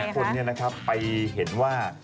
เขาบอกว่าคนไปเห็นว่า